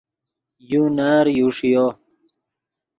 یو نر یو ݰیو